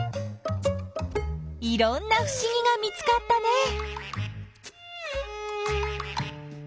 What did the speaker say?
いろんなふしぎが見つかったね！